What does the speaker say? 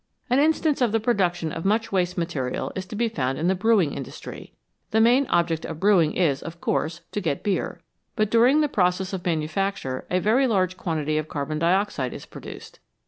An instance of the production of much waste material is to be found in the brewing industry. The main object of brewing is, of course, to get beer, but during the process of manufacture a very large quantity of carbon dioxide is produced.